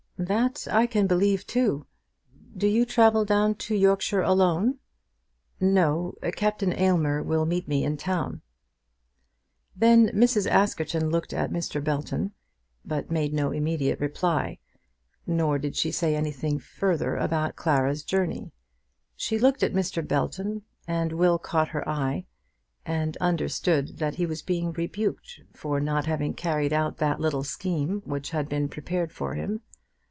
"That I can believe too. Do you travel down to Yorkshire alone?" "No; Captain Aylmer will meet me in town." Then Mrs. Askerton looked at Mr. Belton, but made no immediate reply; nor did she say anything further about Clara's journey. She looked at Mr. Belton, and Will caught her eye, and understood that he was being rebuked for not having carried out that little scheme which had been prepared for him.